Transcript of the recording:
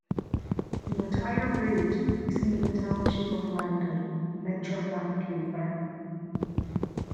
The entire route is in the Township of Langley, Metro Vancouver.